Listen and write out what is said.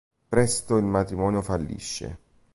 Presto il matrimonio fallisce.